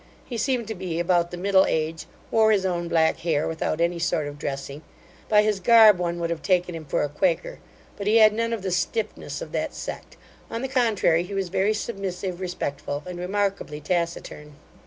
He seemed to be about the middle age, wore his own black hair without any sort of dressing; by his garb, one would have taken him for a quaker, but he had none of the stiffness of that sect, on the contrary he was very submissive, respectful, and remarkably taciturn.